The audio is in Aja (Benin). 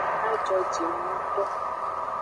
A jojinungto.